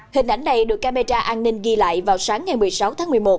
hình ảnh này được camera an ninh ghi lại vào sáng ngày một mươi sáu tháng một mươi một